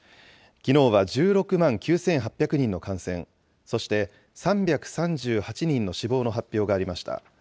きのうは１６万９８００人の感染、そして、３３８人の死亡の発表がありました。